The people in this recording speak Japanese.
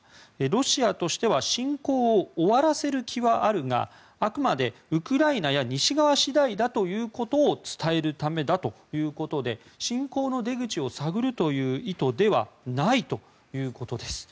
ロシアとしては侵攻を終わらせる気はあるがあくまでウクライナや西側次第だということを伝えるためだということで侵攻の出口を探るという意図ではないということです。